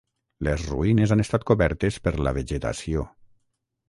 Les ruïnes han estat cobertes per la vegetació.